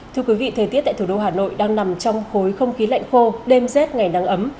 thưa quý vị thời tiết tại thủ đô hà nội đang nằm trong khối không khí lạnh khô đêm rét ngày nắng ấm